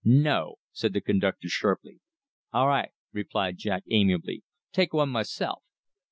"No," said the conductor sharply. "A' right," replied Jack, amiably, "take one myself."